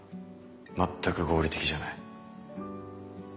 全く合理的じゃない。